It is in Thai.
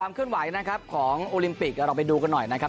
เคลื่อนไหวนะครับของโอลิมปิกเราไปดูกันหน่อยนะครับ